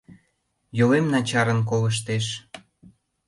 Йолем начарын колыштеш.